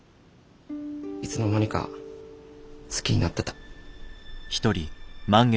いつの間にか好きになってた。